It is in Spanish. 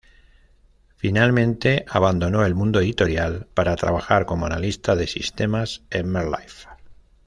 Finalmente abandonó el mundo editorial para trabajar como analista de sistemas en MetLife.